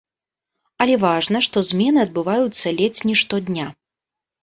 Але важна, што змены адбываюцца ледзь не штодня.